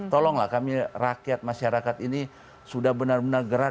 tolonglah kami rakyat masyarakat ini sudah benar benar gerah